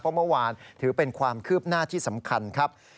เพราะเมื่อวานถือเป็นความคืบหน้าที่สำคัญครับ